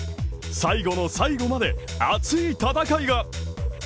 最後の最後まで熱い戦いが。